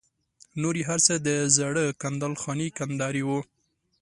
نور یې هر څه د زاړه کندل خاني کندهاري وو.